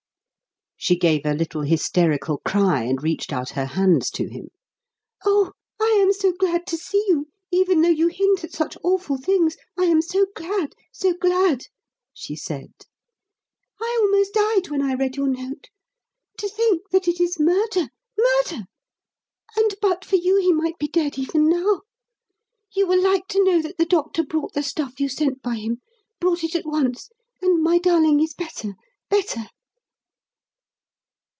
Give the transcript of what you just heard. She gave a little hysterical cry and reached out her hands to him. "Oh, I am so glad to see you, even though you hint at such awful things, I am so glad, so glad!" she said. "I almost died when I read your note. To think that it is murder murder! And but for you he might be dead even now. You will like to know that the doctor brought the stuff you sent by him brought it at once and my darling is better better."